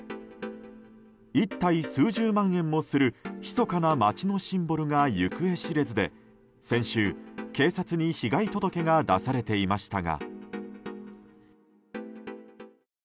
１体数十万円もするひそかな町のシンボルが行方知れずで先週、警察に被害届が出されていましたが。